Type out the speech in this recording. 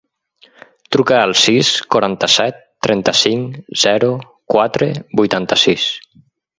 Truca al sis, quaranta-set, trenta-cinc, zero, quatre, vuitanta-sis.